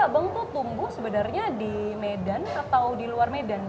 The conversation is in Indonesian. tapi elbeng itu tumbuh sebenarnya di medan atau di luar medan